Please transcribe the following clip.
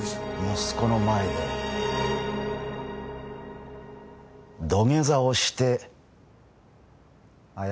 息子の前で土下座をして謝りなさい。